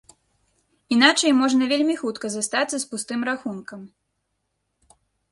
Іначай можна вельмі хутка застацца з пустым рахункам.